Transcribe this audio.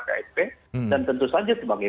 ksp dan tentu saja sebagai